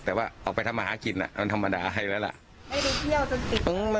แต่ว่าออกไปทำหากินมันธรรมดาไปแล้วละ